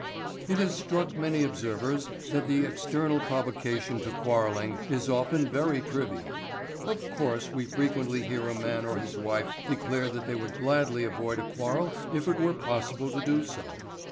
It has struck many observers that the external provocation to quarrelling is often very trivial. Of course we frequently hear a man or his wife declare that they would gladly avoid a quarrel if it were possible to do so.